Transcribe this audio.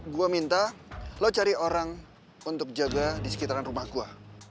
gue minta lo cari orang untuk jaga di sekitaran rumah gue